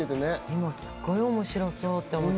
すごい面白そうって思った。